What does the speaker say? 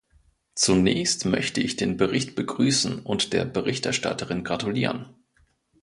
Zunächst möchte ich den Bericht begrüßen und der Berichterstatterin gratulieren.